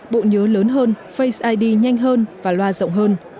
bộ nhớ lớn hơn face id nhanh hơn và loa rộng hơn